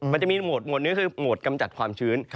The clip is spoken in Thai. มันจะมีหวดเนื้อคือโหมดกำจัดความชื้น